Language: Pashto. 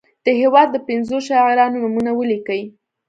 د هیواد د پنځو شاعرانو نومونه ولیکي.